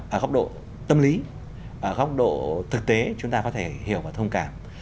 ở góc độ tâm lý góc độ thực tế chúng ta có thể hiểu và thông cảm